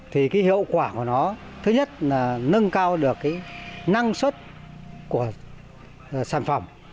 thì hiệu quả của nó thứ nhất là nâng cao được năng suất của sản phẩm